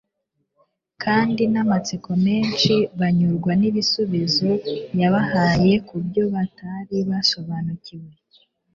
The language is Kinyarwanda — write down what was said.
kandi n’amatsiko menshi banyurwa n’ibisubizo yabahaye ku byo batari basobanukiwe